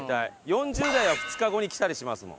４０代は２日後にきたりしますもん。